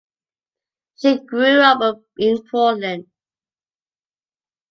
She grew up in Portland.